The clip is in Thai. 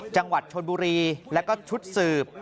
จังหวัดชนบุรีแล้วก็ชุดสืบ